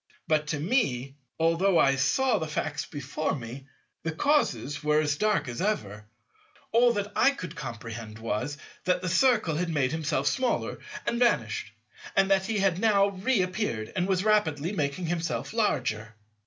But to me, although I saw the facts before me, the causes were as dark as ever. All that I could comprehend was, that the Circle had made himself smaller and vanished, and that he had now re appeared and was rapidly making himself larger.